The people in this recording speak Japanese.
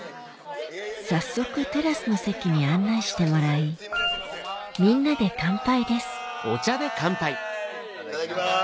早速テラスの席に案内してもらいみんなでいただきます。